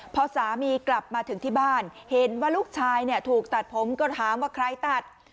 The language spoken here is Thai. พอสามีกลับมาถึงที่บ้านเห็นว่าลูกชายถูกตัดผมก็ถามว่าใครตัด